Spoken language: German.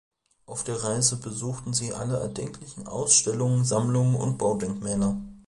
Auf der Reise besuchten sie alle erdenklichen Ausstellungen, Sammlungen und Baudenkmäler.